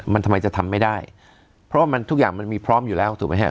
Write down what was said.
มันทำไมจะทำไม่ได้เพราะว่ามันทุกอย่างมันมีพร้อมอยู่แล้วถูกไหมฮะ